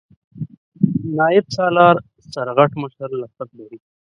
نایب سالار سرغټ مشر لقب لري.